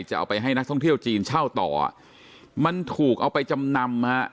จะเอาไปให้นักท่องเที่ยวจีนเช่าต่อมันถูกเอาไปจำนำฮะ